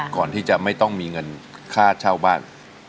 ก่อนที่จะไม่ต้องมีเงินค่าเช่าบ้าน